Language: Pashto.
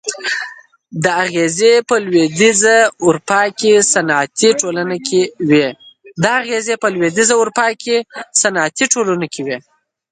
دا اغېزې په لوېدیځه اروپا کې صنعتي ټولنې کې وې.